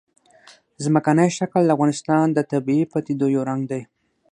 ځمکنی شکل د افغانستان د طبیعي پدیدو یو رنګ دی.